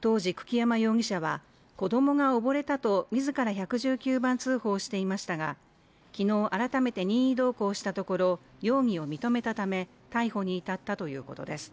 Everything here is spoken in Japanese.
当時、久木山容疑者は子どもが溺れたと自ら１１９番通報していましたが昨日改めて任意同行したところ容疑を認めたため逮捕に至ったということです